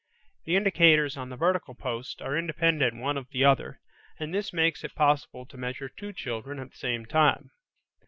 The indicators on the vertical post are independent one of the other and this makes it possible to measure two children at the same time.